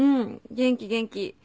元気元気。